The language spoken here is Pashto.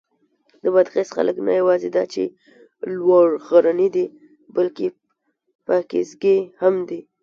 د بادغیس خلک نه یواځې دا چې لوړ غرني دي، بلکې پاکیزګي هم دي.